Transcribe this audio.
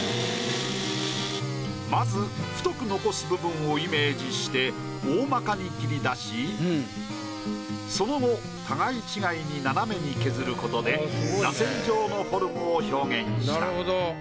まず太く残す部分をイメージして大まかに切り出しその後互い違いに斜めに削ることでらせん状のフォルムを表現した。